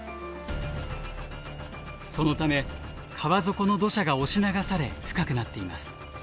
そのため川底の土砂が押し流され深くなっています。